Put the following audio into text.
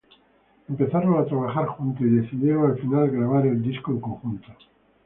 Empezaron a trabajar juntos y decidieron, al final, grabar el disco en conjunto.